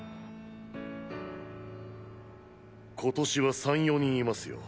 今年は３４人いますよ。